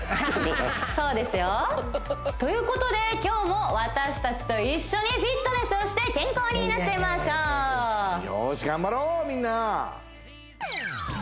そうですよということで今日も私たちと一緒にフィットネスをして健康になっちゃいましょうよーし頑張ろう！